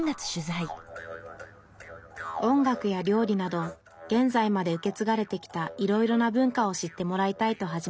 音楽や料理など現在まで受け継がれてきたいろいろな文化を知ってもらいたいと始めました